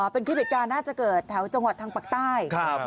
เป็นคลิปเหตุการณ์น่าจะเกิดแถวจังหวัดทางปากใต้